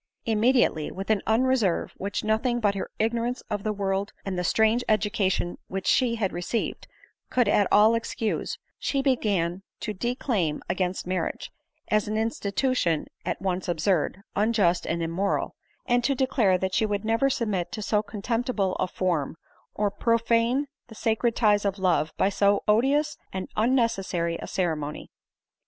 Immediately, with an unreserve which nothing but her ignorance of the world, ADELINE MOWBRAY. 33 and the strange education which she had received, could at all excuse, she began to declaim against marriage, as an institution at once absurd, unjust, and immoral, and to declare that she would never submit to so contemp tible a form, or profane the sacred ties of love by so odi ous and unnecessary a ceremony.